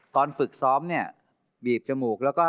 ตอนฝึกซ้อมเนี่ยบีบจมูก